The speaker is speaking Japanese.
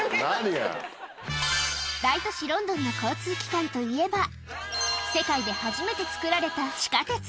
大都市ロンドンの交通機関といえば、世界で初めて作られた地下鉄。